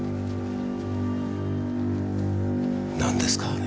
何ですか？